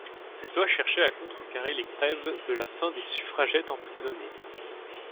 Cette loi cherchait à contrecarrer les grèves de la faim des suffragettes emprisonnées.